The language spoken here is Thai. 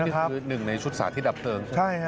นี่คือหนึ่งในชุดสาที่ดับเติมใช่ไหมครับ